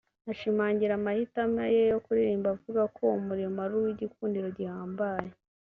Ashimangira amahitamo ye yo kuririmba avuga ko uwo “murimo ari uw’igikundiro gihambaye